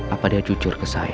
apa dia jujur ke saya